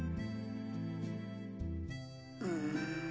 うん。